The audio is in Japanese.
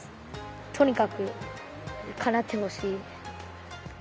とにかくかなってほしい。